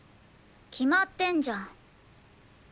決まってんじゃん。